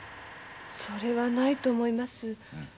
それは無いと思います。